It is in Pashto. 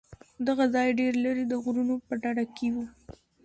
دغه ځاى ډېر لرې د غرونو په ډډه کښې و.